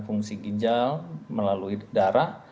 fungsi ginjal melalui darah